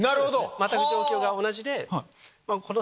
全く状況が同じで。